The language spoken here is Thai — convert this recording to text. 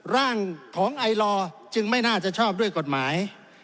ร่างของไอลอร์จึงไม่น่าจะชอบด้วยกฎหมาย